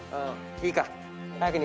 いいかな。